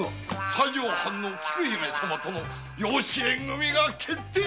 西条藩の菊姫様との養子縁組みが決定。